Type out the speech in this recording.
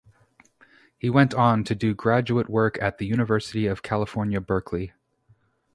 He went on to do graduate work at the University of California, Berkeley.